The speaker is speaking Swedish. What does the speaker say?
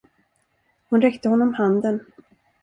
Hon räckte honom handen.